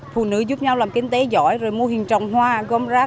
phụ nữ giúp nhau làm kinh tế giỏi mô hình trồng hoa gom rác